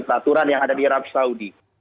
peraturan yang ada di arab saudi